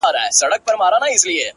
شكر دى چي مينه يې په زړه كـي ده’